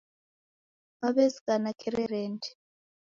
Waw'ezighana Kirerendi